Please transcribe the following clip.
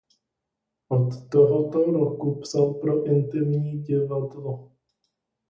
Od tohoto roku psal pro Intimní divadlo.